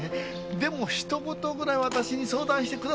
でもひと言ぐらいわたしに相談してくださっても。